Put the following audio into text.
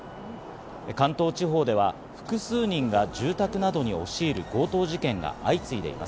関東地方では複数人が住宅などに押し入る強盗事件が相次いでいます。